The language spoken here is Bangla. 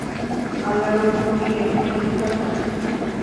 আল্লাহর ঐ নবী এরপর ইন্তিকাল করেন।